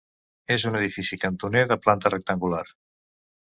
És un edifici cantoner de planta rectangular.